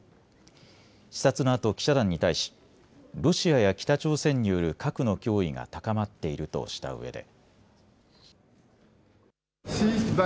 視察のあと記者団に対しロシアや北朝鮮による核の脅威が高まっているとしたうえで。